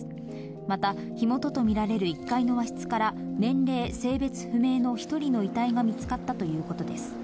また、火元と見られる１階の和室から、年齢・性別不明の１人の遺体が見つかったということです。